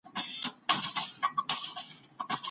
ږدن او اتڼ په ډګر کي د مړ سړي لخوا خوښیږي.